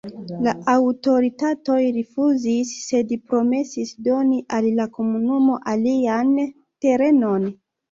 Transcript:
La aŭtoritatoj rifuzis, sed promesis doni al la komunumo alian terenon.